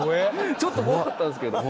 ちょっと怖かったんですけど。